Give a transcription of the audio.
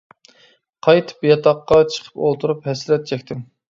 قايتىپ ياتاققا چىقىپ ئولتۇرۇپ ھەسرەت چەكتىم.